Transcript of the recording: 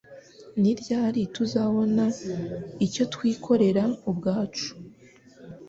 Ni ryari tuzabona icyo twikorera ubwacu?